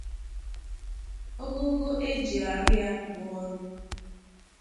ogoogo e ji arụ ya bụ ọrụ